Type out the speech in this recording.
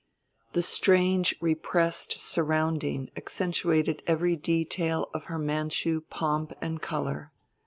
The strange repressed surrounding accentuated every detail of her Manchu pomp and color.